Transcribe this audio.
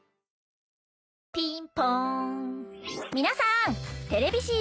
皆さんテレビ